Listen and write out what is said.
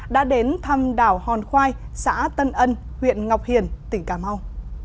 đã đến thăm đảo hòn khoai xã tân ân huyện ngọc hiền tỉnh cà mau